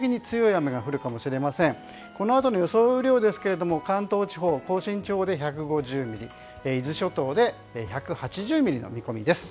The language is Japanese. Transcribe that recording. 雨量ですが関東地方、甲信地方で１５０ミリ伊豆諸島で１８０ミリの見込みです。